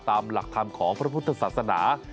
ตามหลักธรรมของพระพุทธศาสนา